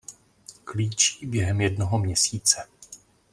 Klíčí během jednoho měsíce.